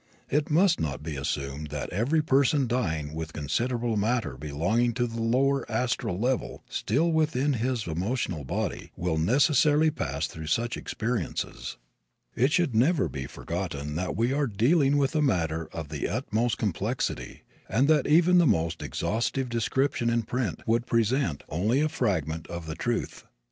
It must not be assumed that every person dying with considerable matter belonging to the lower astral level still within his emotional body will necessarily pass through such experiences. It should never be forgotten that we are dealing with a matter of the utmost complexity and that even the most exhaustive description in print would present only a fragment of the truth.